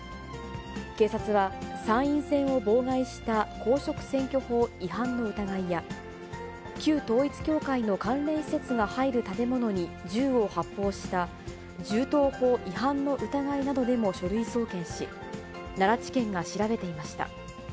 警察は、参院選を妨害した公職選挙法違反の疑いや、旧統一教会の関連施設が入る建物に銃を発砲した銃刀法違反の疑いなどでも書類送検し、奈良地検が調べていました。